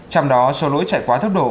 trong đó số lỗi chạy quá thấp độ